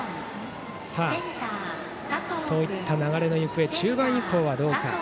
そういった流れの行方中盤以降はどうか。